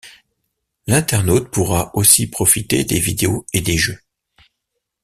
L'internaute pourra aussi profiter des vidéos et des jeux.